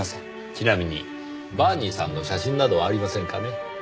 ちなみにバーニーさんの写真などはありませんかね？